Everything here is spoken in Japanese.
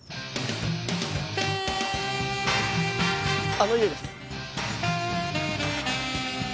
あの家です。